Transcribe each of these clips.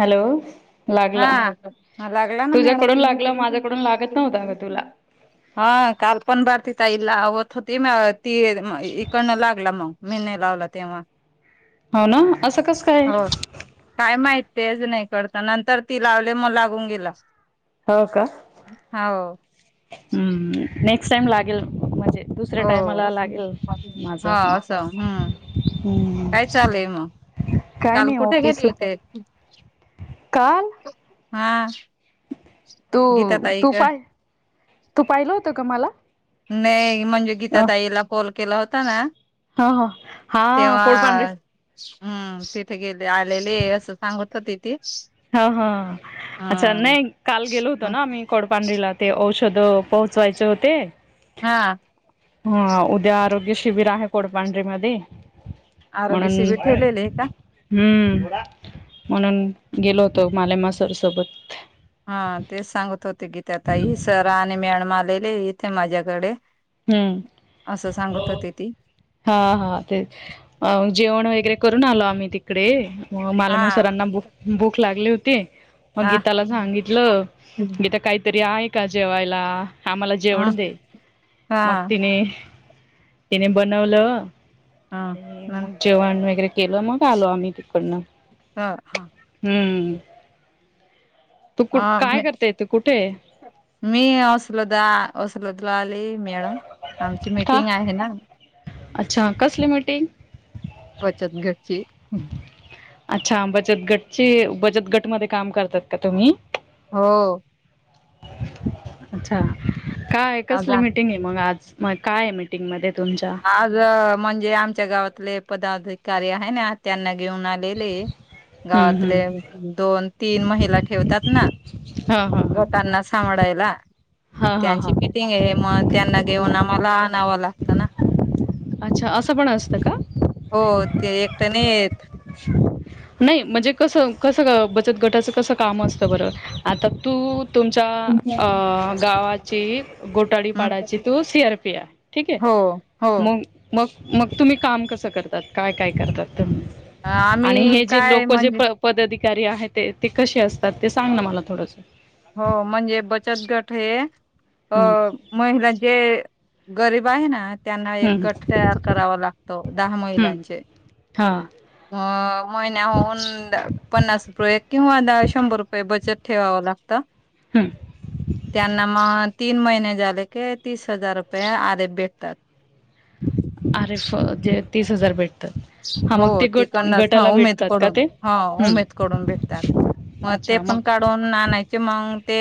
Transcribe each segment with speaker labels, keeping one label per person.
Speaker 1: Hello. लागला
Speaker 2: हां,, लागला ना
Speaker 1: तुझ्याकडून लागला
Speaker 2: मॅडमऽऽ
Speaker 1: माझ्याकडून लागत नव्हता ग तुला
Speaker 2: हा, कालपण बा लावत होती म ती,, इकडनं लागला म,, मी नाही लावला तेव्हा.
Speaker 1: हो ना,, असं कसं काय.
Speaker 2: हो काय माहित तेच नाही कळतं, नंतर ती लावली,, मग लागून गेला.
Speaker 1: हो का,,
Speaker 2: हो
Speaker 1: हम्,, नेक्स्ट टाइम लागेल,, म्हजे.
Speaker 2: हो,, हा,, असं,, हम्.
Speaker 1: मग
Speaker 2: काय चालेयय मग,,, काल कुठे गेली हुथी.
Speaker 1: काऽऽऽल
Speaker 2: हाऽऽ
Speaker 1: तू, तू पाय, तू पाइलं होतं का मला.
Speaker 2: नाई,, म्हणजे गीता ताईला कॉल केला होता नाऽऽ
Speaker 1: हो हो
Speaker 2: तेव्हाऽऽ हम्म,, तिथे गेले आलेले असं सांगत होती. ती
Speaker 1: ह, हा, अच्छा
Speaker 2: हा
Speaker 1: नाही काल गेलो होतो ना आम्ही कोडपांढरीला ते औषऽऽ शध पोहोचवायचे होते..
Speaker 2: हाऽऽ
Speaker 1: हा उद्या आरोग्य शिबिर आहे कोडपांढरी मध्ये.
Speaker 2: आरोग्य
Speaker 1: म्हणून,,
Speaker 2: शिबिर ठेवलेले आहे का
Speaker 1: हम्म,, म्हणून. गेलो होतो माले मा सर सोबत.
Speaker 2: हा तेच सांगत होते की त्या आता ताई सर आणि म्याडम आलेले इथे माझ्याकडे..
Speaker 1: हम्म..
Speaker 2: असं सांगत होती ती
Speaker 1: हा, हा, ते जेवण वगैरे करून आलो आम्हीऽऽ आही तिकडे
Speaker 2: हा
Speaker 1: ऽऽमालाम सरांना भूक लागली होती ऽऽ मग
Speaker 2: हा
Speaker 1: गीताला सांगितलं,, गीता काहीतरी आहे का जेवायलाऽऽ आम्हाला जेवण
Speaker 2: हा
Speaker 1: दे,, मग
Speaker 2: हा
Speaker 1: तिने, तिने बनवलं.
Speaker 2: हा
Speaker 1: आणि
Speaker 2: नंतर
Speaker 1: मग जेवण वगैरे केलं मग आलो आम्ही तिकडनं.
Speaker 2: हा हा
Speaker 1: हमम.
Speaker 2: अ मी असलो द असलोदला. मॅडम, आमची
Speaker 1: का
Speaker 2: मीटिंग आहे ना?
Speaker 1: अच्छा, कसली मीटींग?
Speaker 2: बचतगटची.
Speaker 1: अच्छा बचत गटचे बचत गटमध्येध्ये काम करतात का तुम्ही
Speaker 2: हो
Speaker 1: अच्छा काय
Speaker 2: आज
Speaker 1: कसली मिीटिंग आहे मग आज मग काय मीटिंगमध्ये
Speaker 2: आज म्हणजे आमच्या गावातले पदाधिकारी आहे ना त्यांना घेऊन आलेले
Speaker 1: हम्म हम्म
Speaker 2: गावातले दोन तीन महिला ठेवतात ना
Speaker 1: हा हा
Speaker 2: गटांना सांभळाायला
Speaker 1: हा हा हा हा
Speaker 2: त्यांची मिीटिंग आहे मग त्यांना घेऊन आम्हाला आणवाला
Speaker 1: अच्छा असं पण असतं का
Speaker 2: हो ते एकट्या नाही येत
Speaker 1: नाही म्हणजे कस कस बचत गटाच कसं काम असतं बरं आता तू तुमच्या अ गावाची गोटाडीपाडाची
Speaker 2: हम्
Speaker 1: तू सी आर पी आहे ठीक आहे
Speaker 2: हो हो
Speaker 1: मग मग मग तुम्ही काम कसं करतात काय काय करतात आणि
Speaker 2: आम्ही
Speaker 1: हे जे
Speaker 2: काय
Speaker 1: लोक जे
Speaker 2: म्हणजे
Speaker 1: प पद्धती [unintelligible] आहे ते ते कसे असतात ते सांग ना मला थोडंस
Speaker 2: हो म्हणजे बचत गट हे अ
Speaker 1: हम्म
Speaker 2: महिला जे गरीब आहे ना त्यांना एक
Speaker 1: हम्म
Speaker 2: गट तयार करावा लागतो दहा
Speaker 1: हम्म
Speaker 2: महिलांचे.
Speaker 1: हा
Speaker 2: अ महिन्या होन पन्नास रुपये किंवा द शंभर रुपये बचत ठेवावं लागत,
Speaker 1: हम्म
Speaker 2: त्यांना मग तीन महिने झाले की तीस हजार रुपये आधे भेटतात.
Speaker 1: अरेफे तीस हजार भेट
Speaker 2: हो तिकडंनच ह उमेद
Speaker 1: भेटतात का
Speaker 2: कडून
Speaker 1: ते
Speaker 2: हा
Speaker 1: हम्म
Speaker 2: उमेद कडून भेटतात. मग ते पण काढून आणयचे मग ते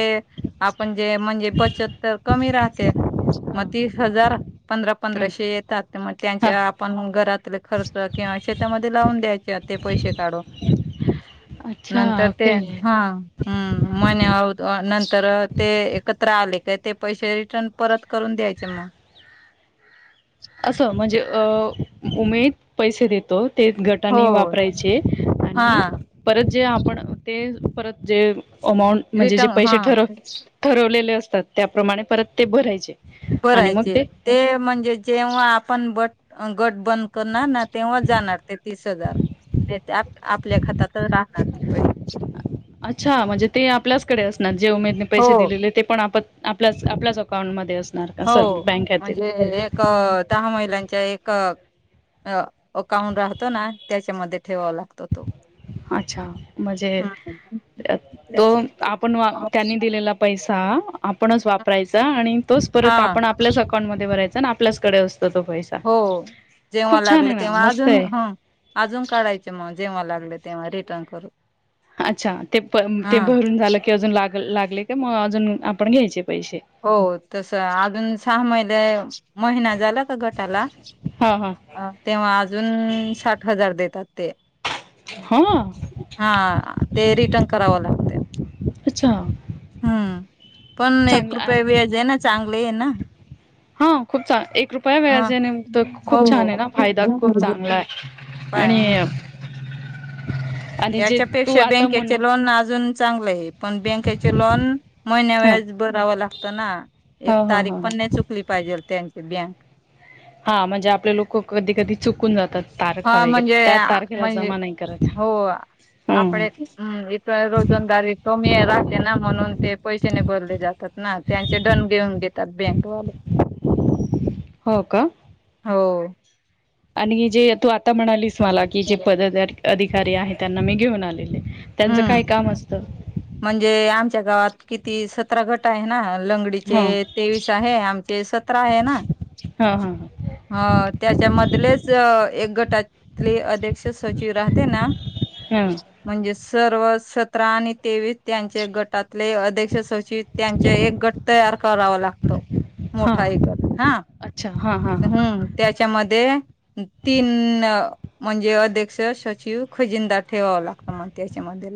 Speaker 2: आपण जे म्हणजे बचत तर कमी राहते.
Speaker 1: हा
Speaker 2: मग तीस हजार पंधरा
Speaker 1: हम्म
Speaker 2: पंधराशे येतात मग
Speaker 1: हा
Speaker 2: त्यांच्या आपण घरात खर्च किंवा शेतामध्ये लावून द्यायचे ते पैसे काढून.
Speaker 1: अच्छा
Speaker 2: नंतर ते,
Speaker 1: ओके
Speaker 2: हा हम्म [unintelligible] तर ते एकत्र आले का ते पैसे रिटर्न परत करून द्यायचे मग. [inaudible]
Speaker 1: असं म्हणजे अ उमेद पैसे देतो. ते
Speaker 2: हो
Speaker 1: गटाने वापरायचे
Speaker 2: हा
Speaker 1: आणि परत जे आपण ते परत जे अमाऊंट म्हणजे जे
Speaker 2: रिटर्न हा
Speaker 1: पैसे ठरव ठरवलेले असतात त्याप्रमाणे परत ते भरायचे. आणि मग
Speaker 2: भरायचे ते म्हणजे जेव हा आपण बट गट बंद करणार ना तेव्हा जाणार ते तीस हजार. ते आपल्या खात्यात राहणार ते पैशे.
Speaker 1: अच्छा म्हणजे ते आपल्याचकडे असणार जे उमेदने
Speaker 2: हो
Speaker 1: पैसे दिलेले ते पण आपण आपल्या आपल्याच अकाउंटमध्ये असत.
Speaker 2: हो म्हणजे एक दहा महिलांच्या एक अ अकाउं राहतो ना त्याच्यामध्ये ठेवावा लागतो तो.
Speaker 1: अच्छा म्हणजे
Speaker 2: हम्म
Speaker 1: तो आपण त्यांनी दिलेला पैसा आपणच वापरायचा आणि तोच परत
Speaker 2: हा
Speaker 1: आपण आपल्याच अकाउंटमध्ये भरायचा आणि आपल्याचकडे अस
Speaker 2: हो जेव्हा लागलं
Speaker 1: आहे ना
Speaker 2: तेव्हा
Speaker 1: मस्त
Speaker 2: अजून
Speaker 1: आहे
Speaker 2: ह अजून काढायचे मग जेव्हा लागले तेव्हा रिटर्न करू.
Speaker 1: अच्छा ते प
Speaker 2: हा
Speaker 1: ते भरून झालं की अजून लाग लागले का मग अजून आपण घ्यायचे. पैसे
Speaker 2: हो तस अजून सहा महिने महिना झाला का गटाला
Speaker 1: हा हा
Speaker 2: तेव्हा अजून साठ हजार देतात. ते
Speaker 1: हा
Speaker 2: हा ते रिटर्न करावं लागत.
Speaker 1: अच्छा. चांगलं
Speaker 2: कृपया
Speaker 1: आणि
Speaker 2: व्याज ना चांगले ना.
Speaker 1: हा खूप चा एक रुपया
Speaker 2: हा
Speaker 1: व्याज ने तर
Speaker 2: हो
Speaker 1: खूप छान आहे
Speaker 2: हो
Speaker 1: ना फायदा खूप
Speaker 2: हं,
Speaker 1: चांगला आहे. आणि
Speaker 2: [inaudible]
Speaker 1: आणि जे तू
Speaker 2: याच्यापेक्षा
Speaker 1: आता म्हण
Speaker 2: बँकेचे लोन अजून चांगल आहे, पण बँकेचे लोन महिन्याला
Speaker 1: ह
Speaker 2: व्याज भरावं लागतं ना. एक
Speaker 1: ह ह
Speaker 2: तारीख
Speaker 1: ह
Speaker 2: पण नाही चुकली पाहिजे त्यांची बँक
Speaker 1: हा म्हणजे आपले लोक कधी कधी चुकून जातात तारखा
Speaker 2: हा
Speaker 1: वगैरे
Speaker 2: म्हणजे
Speaker 1: त्या तारखेला
Speaker 2: म्हणजे
Speaker 1: जमा नाही करत.
Speaker 2: हो.
Speaker 1: हम्म
Speaker 2: आपडे हम् इथ रोजंदारी कमी राहते ना म्हणून ते पैसेने भरले जातात. ना त्यांचे दडं घेऊन घेतात बँकवाले.
Speaker 1: हो का.
Speaker 2: हो
Speaker 1: आणि जे तू आता म्हणालीस मला की जे पद अधिकारी आहे त्यांना मी घेऊन आलेले. त्यांचं काय
Speaker 2: हम्म,
Speaker 1: काम असतं
Speaker 2: म्हणजे आमच्या गावात किती सतरा गट आहे ना.
Speaker 1: हा
Speaker 2: लंगडीचे तेवीस आहे आमचे सतरा आहे ना.
Speaker 1: हा हा
Speaker 2: ह त्याच्यामधलेच एक गटातले अध्यक्ष सचिव राहते ना.
Speaker 1: हम.
Speaker 2: म्हणजे सर्व सतरा आणि तेवीस त्यांच्या गटात ले अध्यक्ष सचित त्यांचे एक गट तयार करावा लागतो.
Speaker 1: हा
Speaker 2: मोठा एक गट हा
Speaker 1: अच्छा हा हा हा
Speaker 2: हम्म त्याच्यामध्ये तीन म्हणजे अध्यक्ष सचिव खजिंदा ठेवावं लागत म्ह त्या च्यामधे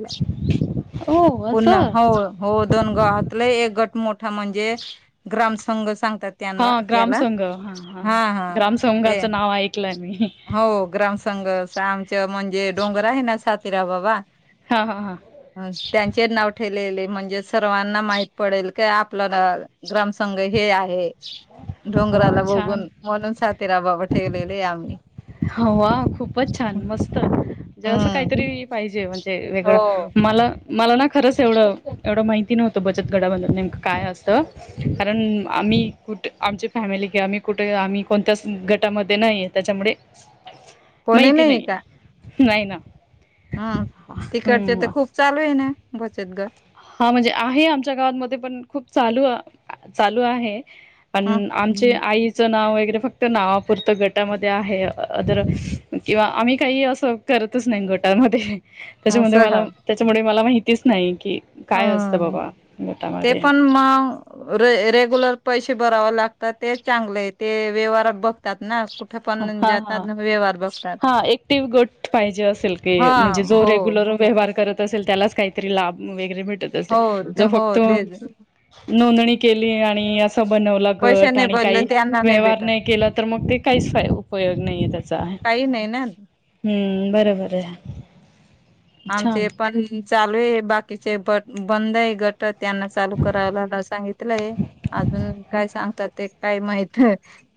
Speaker 1: हो
Speaker 2: पुन्हा
Speaker 1: असं
Speaker 2: हो हो दोन गावात लई एक गट मो हा म्हणजे ग्राम संघ सांग
Speaker 1: हा ग्राम संघ हा हा ग्राम
Speaker 2: ते
Speaker 1: संंघाचं नाव ऐकलंय मी
Speaker 2: हो ग्राम संघ आमच म्हणजे डोंगर आहे ना सातीरा बाबा
Speaker 1: हा हा हा
Speaker 2: चे नाव ठेलेले म्हणजे सर्वांना माहित पडेल क आपलाला ग्रामसंघ हे आहे.
Speaker 1: वा
Speaker 2: डोंगराला
Speaker 1: छान
Speaker 2: बघून म्हणून सातेरा बाबा ठेवलेले आम्ही.
Speaker 1: ह वा खूपच छान मस्त. असं
Speaker 2: हम्म
Speaker 1: काहीतरी पाहिजे म्हणजे
Speaker 2: हो
Speaker 1: वेगळं मला मला ना खरंच एवढं एवढं माहिती न व्हत बचत गटाचा नेमकं काय असतं की आम्ही कुठे आणि आमची फॅमिली कुठे आम्ही कोणत्याच गटामध्ये नाहीये त्याच्यामुळे
Speaker 2: कोणी
Speaker 1: माहिती
Speaker 2: नाहीये
Speaker 1: नाही
Speaker 2: का?
Speaker 1: नाही ना
Speaker 2: हा तिकडचे तर
Speaker 1: हम्म
Speaker 2: खूप चालू आहेत ना बचत गट.
Speaker 1: हा म्हणजे आहे आमच्या गावांमध्ये पण खूप चालू चालू आहे. पण
Speaker 2: ह
Speaker 1: आमचे आईचं नाव वगैरे फक्त त नावापुरतं गटामध्ये आहे अदर किंवा आम्ही काही असं करतच नाही गटामध्ये त्याच्यामध्ये
Speaker 2: असं का
Speaker 1: मला त्याच्यामुळे मला माहितीच नाही की काय असतं
Speaker 2: हम्म
Speaker 1: बाबा
Speaker 2: ते
Speaker 1: गटामध्ये
Speaker 2: पण म र रेग्युलर पैसे बराव लागत ते चांगलं आहे ते व्यवहार बघतात ना. कुठे
Speaker 1: ह
Speaker 2: पण जातात
Speaker 1: ह
Speaker 2: ना व्यवहार बघतात
Speaker 1: हा एकटि गोट पाहिजे असेल की
Speaker 2: हा
Speaker 1: म्हणजे जो
Speaker 2: हो
Speaker 1: रेगुलर व्यवहार करत असेल त्यालाच फक्त लाभ वगैरे भेटत असेल
Speaker 2: हो ते
Speaker 1: जो
Speaker 2: हो
Speaker 1: फक्त
Speaker 2: ते
Speaker 1: नोंदणी केली आणि असं बनवला
Speaker 2: पैसे
Speaker 1: गट
Speaker 2: नाही
Speaker 1: आणि
Speaker 2: भरले
Speaker 1: काही
Speaker 2: त्यांना
Speaker 1: व्यवहार
Speaker 2: भेटत
Speaker 1: नाही केला तर मग ते काहीच फाय उपयोग नाहीये त्याचा.
Speaker 2: काही नाही ना
Speaker 1: हं बरोबर आहे.
Speaker 2: आमचे
Speaker 1: छान
Speaker 2: पण चालू आहे बाकीचे बट बंद आहे गट त्यांना चालू कराला सांगितलंय अजून काय सांगतात ते काय माहित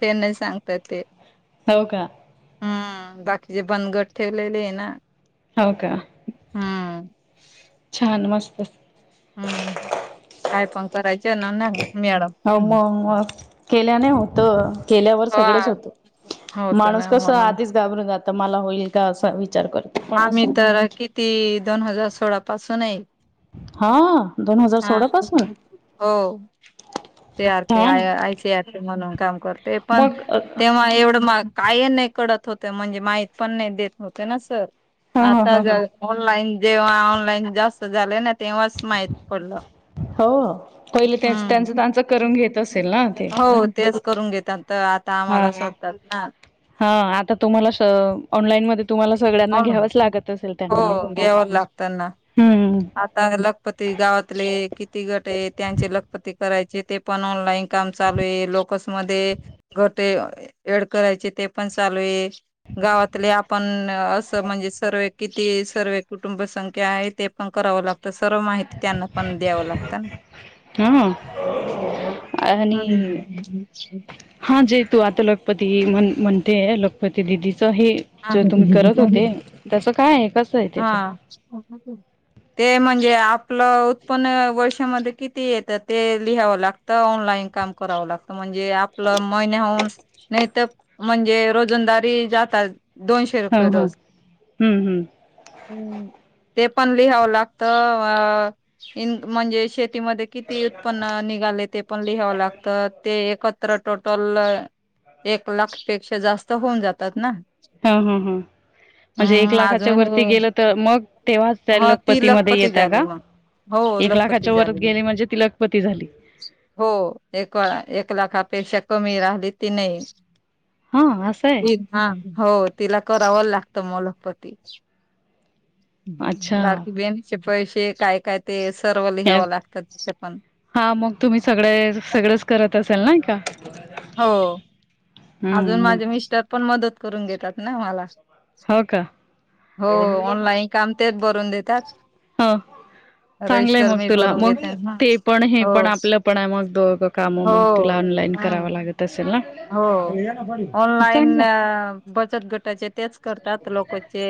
Speaker 2: ते नाही सांगता येत ते
Speaker 1: हो का?
Speaker 2: हम्म बाकीचे पण गट ठेवलेले आहे ना
Speaker 1: हो का?
Speaker 2: हा.
Speaker 1: छान मस्त
Speaker 2: हम्म काय पण करायचं ना नाही
Speaker 1: हो मग मग केल्याने होत. केल्यावर
Speaker 2: हा
Speaker 1: सगळंच होतय
Speaker 2: होत
Speaker 1: माणूस
Speaker 2: ना
Speaker 1: कस
Speaker 2: म्हणून
Speaker 1: आधीच घाबरून जात मला होईल का अस विच
Speaker 2: आम्ही तर किती दोन हजार सोळा पासून आहे.
Speaker 1: हा दोन हजार
Speaker 2: हा
Speaker 1: सोळा पासून
Speaker 2: हो सी आरपी आ
Speaker 1: छान
Speaker 2: आय सी आरपी म्हणून काम करते पण
Speaker 1: मग
Speaker 2: तेव्हा एवढं माग काय नाही कडत होते म्हणजे माहीत पण नाही देत होते ना सर.
Speaker 1: हा हा
Speaker 2: आता
Speaker 1: हा हा
Speaker 2: ऑनलाईन जेव्हा ऑनलाईन जास्त झाले ना तेव्हाच माहीत पडलं
Speaker 1: हो पहिले त्यांच त्यांचं
Speaker 2: हम्म.
Speaker 1: त्यांचं करून घेत असेल ना ते
Speaker 2: हो तेच करून घेत
Speaker 1: हा हा, आता तुम्हाला ऑनलाईन मध्ये तुम्हाला सगळ्यांना घ्यावंच
Speaker 2: हो
Speaker 1: लागत असेल त्यांना
Speaker 2: घ्यावं लागत ना
Speaker 1: हम्म
Speaker 2: आता लखपती गावातले किती गट आहे, त्यांचे लखपती करायचे ते पण ऑनलाईन काम चालू आहे लोकस मध्ये घोटे ॲड करायचे ते पण चालू आहे गावातले आपण. असं म्हणजे सर्व किती सर्व कुटुंब संख्या आहे ते पण करावं लागत तर सर्व माहिती त्यांना पण द्यावं लागत ना
Speaker 1: हा आणि हा जे तू आता लखपती म्हण म्हणते लखपती दिदी हे
Speaker 2: हा
Speaker 1: जर तुम्ही करत होते त्याच काय आहे का
Speaker 2: हा ते म्हणजे आप आपलं उत्पन्न वर्षामध्ये किती येतं ते लिहावं लागतं ऑनलाईन काम करावं लागतं म्हणजे आपलं महिन होन नाही तर म्हणजे रोजंदारी जातात दोनशे
Speaker 1: ह
Speaker 2: रुपये
Speaker 1: ह
Speaker 2: रोज
Speaker 1: हम्म हम्म
Speaker 2: हम् ते पण लिहावं लागत अ इन म्हणजे श किती उत्पन्न निघाले ते पण लिहावं लागतं ते तर टोटल एक लाखपेक्षा जास्त होऊन जातात ना
Speaker 1: हा हा हा म्हणजे एक
Speaker 2: हम्म
Speaker 1: लाखाच्या
Speaker 2: अजून
Speaker 1: वरती
Speaker 2: हे
Speaker 1: गेलं तर मग तेव्हाच
Speaker 2: ह ती
Speaker 1: लकपतीमध्येध्ये
Speaker 2: लखपती
Speaker 1: येतय
Speaker 2: झाली
Speaker 1: का
Speaker 2: मग हो
Speaker 1: एक लाखाच्या
Speaker 2: लखपती
Speaker 1: वरात
Speaker 2: झाली मी
Speaker 1: गेली म्हणजे तिलखपती झाली
Speaker 2: हो एक एक लाखपेक्षा कमी हां
Speaker 1: हा असं आहे.
Speaker 2: हो बावाल लागतो लखपती
Speaker 1: अच्छा
Speaker 2: लाडकी बहिनचे पैसे काय काय ते सर्व ल घ्यावं लागतात त्याच्या पण
Speaker 1: हा मग तुम्ही सगळे सगळेच करत असेल ना का
Speaker 2: हो अजून
Speaker 1: हम्म मग
Speaker 2: माझे मिस्टर पण मदत करून घेतात ना मला
Speaker 1: हो का
Speaker 2: हो ऑनलाईन काम तेच भरून देतात
Speaker 1: ह चांगलंय
Speaker 2: रजिस्टर
Speaker 1: मग
Speaker 2: मी
Speaker 1: तुला
Speaker 2: भरून
Speaker 1: मग
Speaker 2: घेते ह
Speaker 1: ते पण हे
Speaker 2: हो
Speaker 1: पण आपलं पण आहे मग दों काम
Speaker 2: हो
Speaker 1: मग तुला ऑनलाईन कराव
Speaker 2: हम्
Speaker 1: लागत असेल ना
Speaker 2: हो ऑनलाईन
Speaker 1: चांगलं
Speaker 2: बचत गटाचे तेच करतात लोकचे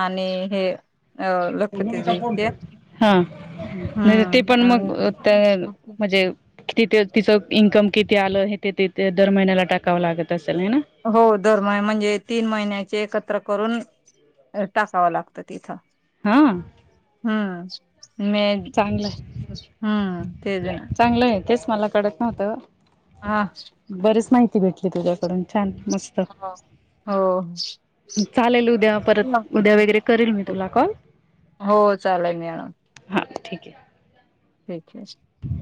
Speaker 2: आणि हे अ लखपती
Speaker 1: भूमिका फणत
Speaker 2: दचे
Speaker 1: हा नाही ते पण
Speaker 2: हम्म
Speaker 1: मग
Speaker 2: आणि
Speaker 1: म्हणजे किती ते तिचं इन्कम किती आलं हे ते त दर महिन्याला टाकावं लागत असेल
Speaker 2: हो दर म म्हणजे तीन महिन्याचे एकत्र करून टाकाव लागतं तिथं
Speaker 1: हा
Speaker 2: हम्म म
Speaker 1: चांगलंय
Speaker 2: हम्म तेज ना
Speaker 1: चांगलंय तेच मला कळत नव्हत
Speaker 2: हा.
Speaker 1: बरीच माहिती भेटली तुझ्याकडून छान मस्त
Speaker 2: हा हो
Speaker 1: चालेल उद्या परत उद्या वगैरे करेल मी तुला कॉल
Speaker 2: हो चालाय मेळा.
Speaker 1: हां ठीकय.
Speaker 2: [unintelligible]